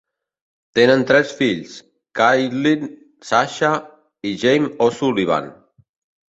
Tenen tres fills, Caitlin, Sascha i Jamie O'Sullivan.